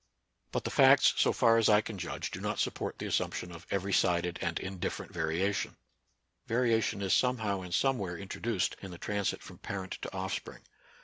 But the facts, so far as I can judge, do not NATURAL SCIENCE AND RELIGION. 51 support the assumption of every sided and in different variation. Variation is somehow and somewhere introduced in the transit from parent to offspring.